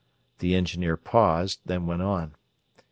The engineer paused, then went on.